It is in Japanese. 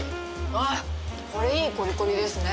あっこれいいコリコリですね